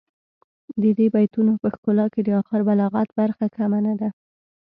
د دې بیتونو په ښکلا کې د اخر بلاغت برخه کمه نه ده.